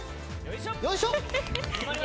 よいしょ！